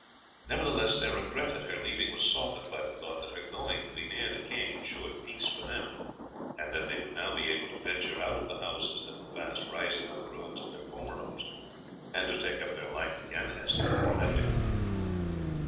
Nevertheless, their regret at her leaving was softened by the thought that her going to be near the king insured peace for them, and that they would now be able to venture out to the houses that were fast rising on the ruins of their former homes, and to take up their life again as they had left it.